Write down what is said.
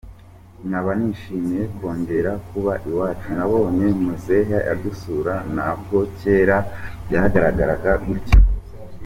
Nkaba nishimiye kongera kuba iwacu, nabonye muzehe adusura, ntabwo kera byagaragaraga gutya.